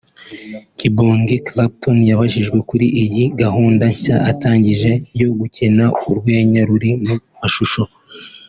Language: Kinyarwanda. Kibonge Clapton yabajijwe kuri iyi gahunda nshya atangije yo gukina urwenya ruri mu mashusho